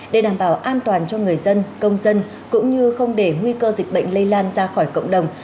để đảm bảo an toàn cho người dân công dân cũng như không để nguy cơ dịch bệnh lây lan ra khỏi cộng đồng